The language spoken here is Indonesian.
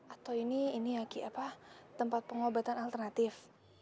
atau ini ya ki tempat pengobatan alternatif